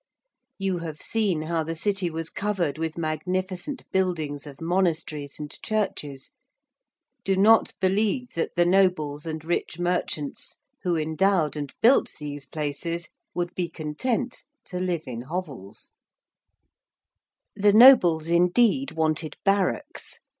You have seen how the City was covered with magnificent buildings of monasteries and churches. Do not believe that the nobles and rich merchants who endowed and built these places would be content to live in hovels. [Illustration: DURHAM, SALISBURY, AND WORCESTER HOUSES.] The nobles indeed wanted barracks.